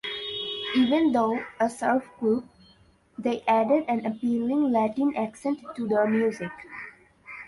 Even though a surf group, they added an appealing Latin accent to their music.